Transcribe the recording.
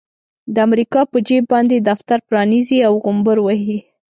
د امريکا په جيب باندې دفتر پرانيزي او غومبر وهي.